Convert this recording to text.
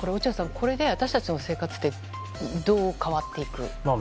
これで私たちの生活はどう変わっていくんですか？